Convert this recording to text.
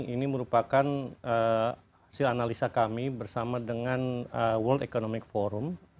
ini merupakan hasil analisa kami bersama dengan world economic forum